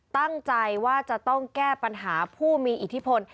ตั้งใจว่าจะต้องแก้ปัญหาผู้มีอิทธิพล